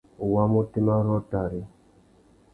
U wāmú otémá rôō tari ?